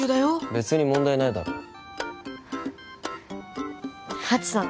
別に問題ないだろハチさん